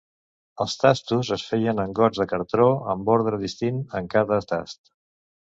Els tastos es feien en gots de cartó, amb ordre distint en cada tast.